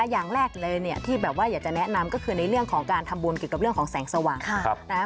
อย่างแรกเลยเนี่ยที่แบบว่าอยากจะแนะนำก็คือในเรื่องของการทำบุญเกี่ยวกับเรื่องของแสงสว่าง